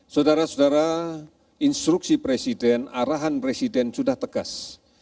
saudara saudara instruksi presiden arahan presiden sudah tegas